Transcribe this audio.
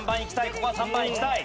ここは３番いきたい。